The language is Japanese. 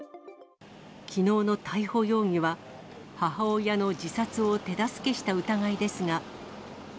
きのうの逮捕容疑は、母親の自殺を手助けした疑いですが。